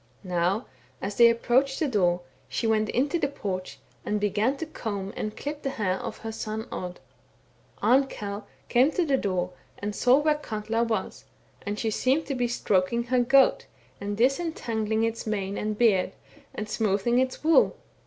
'* Now as they approached the door, she went into the porch, and began to comb and clip the hair of her son Odd. Arnkell came to the door and saw where Katla was, and she seemed to be stroking her goat, and disentangling its mane and beard and smoothing its wool.